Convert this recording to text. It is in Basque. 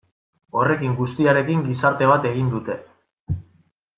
Horrekin guztiarekin gizarte bat egin dute.